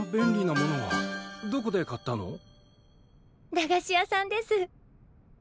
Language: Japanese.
駄菓子屋さんです。